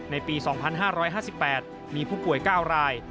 ในปี๒๕๕๘มีผู้ป่วย๙ราย